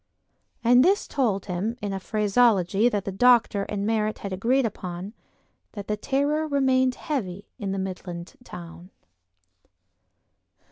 And this told him, in a phraseology that the doctor and Merritt had agreed upon, that the terror remained heavy in the Midland town.